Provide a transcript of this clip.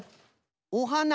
おはな。